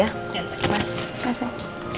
ya terima kasih